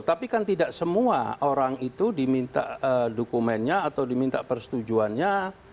tapi kan tidak semua orang itu diminta dokumennya atau diminta persetujuannya